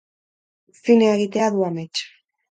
Zinea egitea du amets.